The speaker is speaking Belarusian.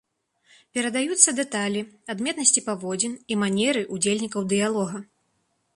Перадаюцца дэталі, адметнасці паводзін і манеры ўдзельнікаў дыялога.